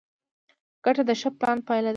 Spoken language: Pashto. ګټه د ښه پلان پایله ده.